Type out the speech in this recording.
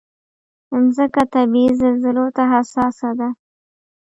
مځکه طبعي زلزلو ته حساسه ده.